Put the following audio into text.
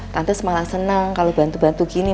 tante semangat senang kalau bantu bantu gini